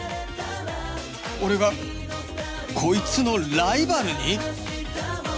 俺がこいつのライバルに！？